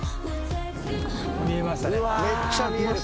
見えましたね。